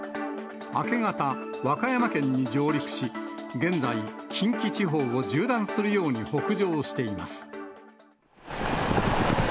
明け方、和歌山県に上陸し、現在、近畿地方を縦断するように北上しています。